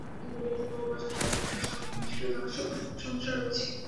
বাংলা উইকিপিডিয়াতে বহু বছর যাবত প্রশাসকদের নিষ্ক্রিয় থাকার সমস্যা রয়েছে।